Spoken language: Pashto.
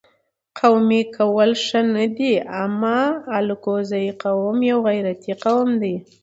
قومي کول ښه نه دي اما الکوزی قوم یو غیرتي قوم دي